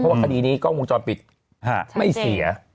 ว่าคดีนี้กล้องวงจรปิดไม่เสีย